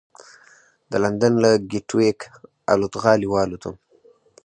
د لندن له ګېټوېک الوتغالي والوتم.